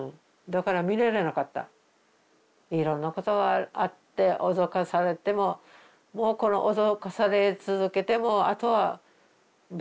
いろんなことがあって驚かされてももうこの驚かされ続けてもあとはバカみたいになってた。